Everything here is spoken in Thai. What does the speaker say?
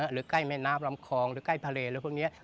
หรือใกล้แม่น้ำลำคองหรือใกล้ทะเลหรือพวกนี้